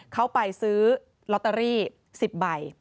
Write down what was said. เขาไปซื้อลอตเตอรี่๑๐ใบ